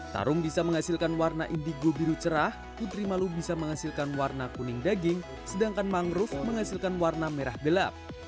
tarung bisa menghasilkan warna indigo biru cerah putri malu bisa menghasilkan warna kuning daging sedangkan mangrove menghasilkan warna merah gelap